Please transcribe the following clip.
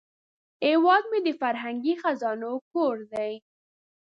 هیواد مې د فرهنګي خزانو کور دی